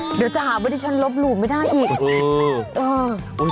เดี๋ยวจะหาว่าดิฉันลบหลู่ไม่ได้อีก